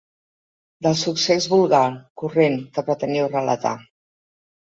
Del succés vulgar, corrent, que preteniu relatar.